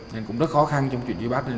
nên cũng rất khó khăn trong chuyện truy bắt